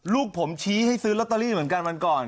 ลูกผมชี้ให้ซื้อลอตเตอรี่เหมือนกันวันก่อน